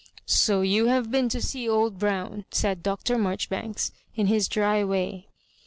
" So you have been to see old Brown," said Dr. Marjoribanks, in his dry way.